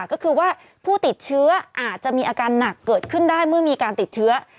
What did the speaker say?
ก็คือว่าผู้ติดเชื้ออาจจะมีอาการหนักเกิดขึ้นได้เมื่อมีการติดเชื้อ